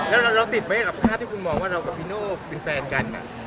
แล้วเราติดไหมกับภาพที่คุณมองว่าเรากับพี่โน่เป็นแฟนกัน